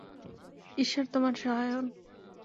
ঈশ্বর তোমার সহায় হোন!